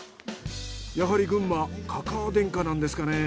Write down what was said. やはり群馬かかあ天下なんですかね。